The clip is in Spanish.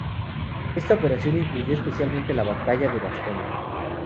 Esta operación incluyó especialmente la batalla de Bastoña.